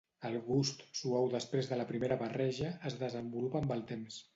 El gust, suau després de la primera barreja, es desenvolupa amb el temps.